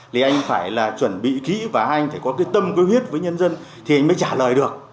thì anh phải là chuẩn bị kỹ và anh phải có cái tâm huyết với nhân dân thì anh mới trả lời được